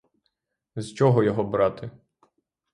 З чого його брати?